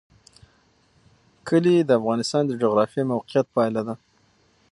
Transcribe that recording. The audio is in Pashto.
کلي د افغانستان د جغرافیایي موقیعت پایله ده.